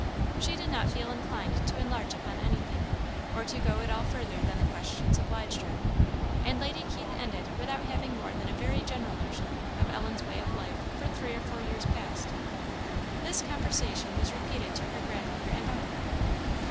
She did not feel inclined to enlarge upon anything, or to go at all further than the questions obliged her; and Lady Keith ended without having more than a very general notion of Ellen's way of life for three or four years past. This conversation was repeated to her grandmother and uncle.